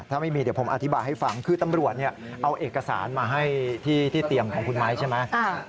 ถ้าไม่มีเดี๋ยวผมอธิบายให้ฟังคือตำรวจเอาเอกสารมาให้ที่เตียงของคุณไม้ใช่ไหม